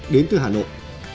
đến từ hà nội